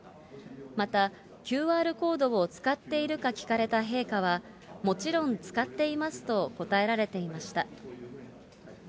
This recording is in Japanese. また、ＱＲコードを使っているか聞かれた陛下は、もちろん使っていますと答えられていました。